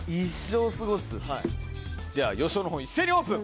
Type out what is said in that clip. では予想の方一斉にオープン。